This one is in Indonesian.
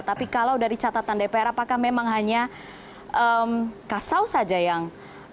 tapi kalau dari catatan dpr apakah memang hanya kasau saja yang